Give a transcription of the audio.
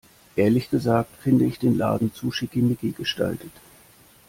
Ehrlich gesagt finde ich den Laden zu schickimicki gestaltet.